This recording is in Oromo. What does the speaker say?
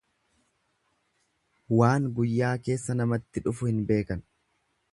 Waan guyyaa keessa namatti dhufu hin beekan.